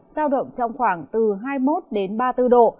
giao động trong khoảng từ hai mươi một đến ba mươi bốn độ